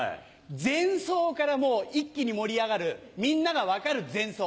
前奏からもう一気に盛り上がるみんなが分かる前奏。